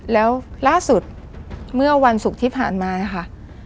แล้วล่าสุดเมื่อวันศุกร์ที่ผ่านมาค่ะ